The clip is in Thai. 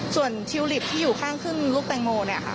ส่วนทิวลิปที่อยู่ข้างขึ้นลูกตังโม